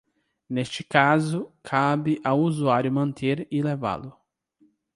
Neste caso, cabe ao usuário manter e lavá-lo.